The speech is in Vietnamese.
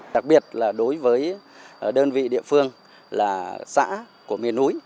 đặc biệt là đối với đơn vị địa phương là xã của miền núi